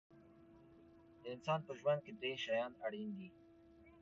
د انسان په ژوند کې درې شیان اړین دي.